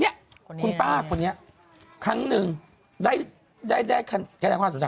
เนี้ยคุณป้าคนนี้ครั้งหนึ่งได้ได้ได้แค่ในความสนุกจัง